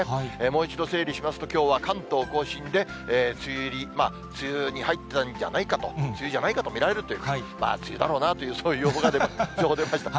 もう一度整理しますと、きょうは関東甲信で梅雨入り、梅雨に入ったんじゃないかと、梅雨に見られるという、まぁ、梅雨だろうなというそういう情報が出ました。